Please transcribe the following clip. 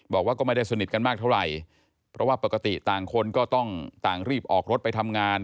บอกว่าก็ไม่ได้สนิทกันมากเท่าไหร่เพราะว่าปกติต่างคนก็ต้องต่างรีบออกรถไปทำงาน